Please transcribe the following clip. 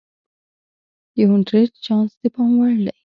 د هونټریج چانس د پام وړ دی.